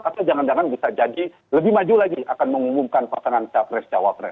atau jangan jangan bisa jadi lebih maju lagi akan mengumumkan pasangan capres cawapres